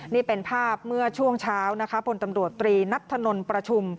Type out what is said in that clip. นี่เป็นภาพเมื่อช่วงเช้านะคะพลตำรวจตรีนัทธนลประชุม